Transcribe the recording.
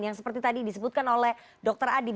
yang seperti tadi disebutkan oleh dr adib